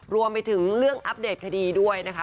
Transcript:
รวมไปถึงเรื่องอัปเดตคดีด้วยนะคะ